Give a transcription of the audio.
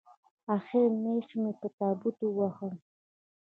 اخري مېخ یې په تابوت ووهلو